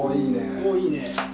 おっいいね。